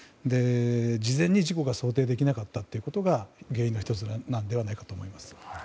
事前に事故が想定できなかったのが原因の１つではないかと思います。